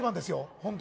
本当。